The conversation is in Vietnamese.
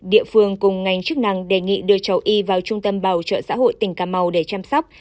địa phương cùng ngành chức năng đề nghị đưa cháu y vào trung tâm bảo trợ xã hội tỉnh cà mau để chăm sóc